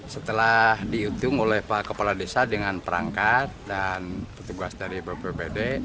setelah dihitung oleh pak kepala desa dengan perangkat dan petugas dari bppd